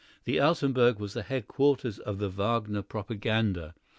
The Altenburg was the headquarters of the Wagner propaganda.